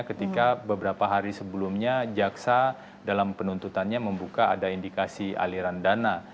ketika beberapa hari sebelumnya jaksa dalam penuntutannya membuka ada indikasi aliran dana